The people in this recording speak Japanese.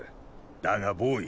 だがボーイ。